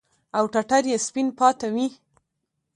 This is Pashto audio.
او ټټر يې سپين پاته وي.